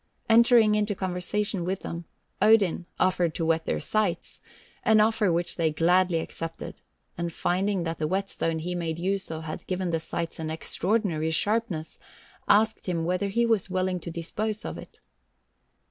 Entering into conversation with them, Odin, offered to whet their scythes, an offer which they gladly accepted, and finding that the whetstone he made use of had given the scythes an extraordinary sharpness, asked him whether he was willing to dispose of it.